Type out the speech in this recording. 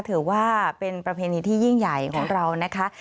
ถือว่าเป็นประเพณีที่ยิ่งใหญ่ของเรานะคะ